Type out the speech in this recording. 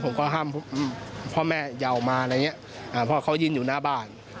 ผมก็ห้ามพ่อแม่อย่าออกมาเพราะว่าเขายิ่งอยู่หน้าบ้าน